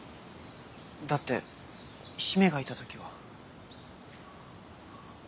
だって姫がいた時は。